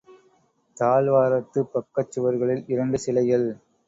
தாழ்வாரத்துப் பக்கச் சுவர்களில் இரண்டு சிலைகள்.